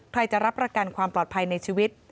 ใครจะรับประกันความปลอดภัยในชีวิต